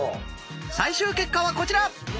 最終結果はこちら！